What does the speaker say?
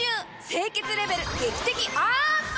清潔レベル劇的アップ！